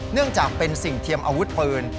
เนื่องจากเป็นสิ่งเทียมอาวุธปืน